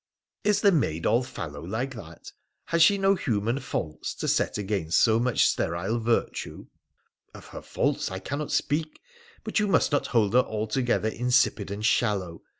' Is the maid all fallow like that ? Has she no human faults to set against so much sterile virtue ?'' Of her faults I cannot speak, but you must not hold her altogether insipid and shallow.